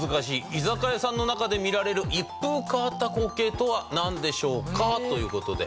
居酒屋さんの中で見られる一風変わった光景とはなんでしょうか？という事で。